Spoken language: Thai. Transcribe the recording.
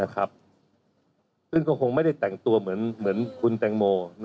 ซึ่งก็คงไม่ได้แต่งตัวเหมือนคุณแตงโม